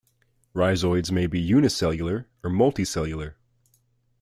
Rhizoids may be unicellular or multicellular.